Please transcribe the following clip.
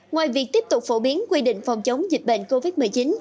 ngoài việc tiếp tục phổ biến quy định phòng chống dịch bệnh covid một mươi chín